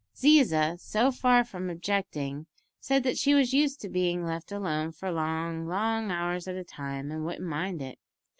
Ziza, so far from objecting, said that she was used to being left alone for long, long hours at a time, and wouldn't mind it.